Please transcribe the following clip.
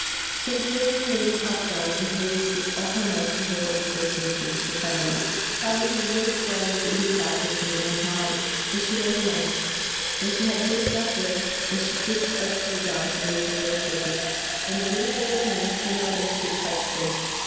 "So the lovely lady hopped down, and hurried with all her might to her old place on the front of the China Mug, crowding her rose garland into the basket hanging on her arm as she went along. And she had just got there, and was picking up her gown to make a little courtesy, when the beautiful little man came up and stood quite still.